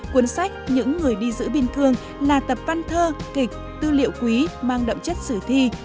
cuốn sách những người đi giữ biên cương là tập văn thơ kịch tư liệu quý mang đậm chất sử thi